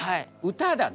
歌だね。